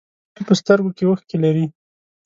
ټپي په سترګو کې اوښکې لري.